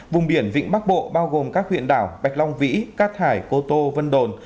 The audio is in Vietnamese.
vùng biển vịnh bắc bộ bao gồm các huyện đảo bạch long vĩ cát hải cô tô vân đồn